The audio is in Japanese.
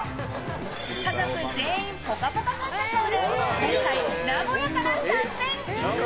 家族全員「ぽかぽか」ファンだそうで今回、名古屋から参戦！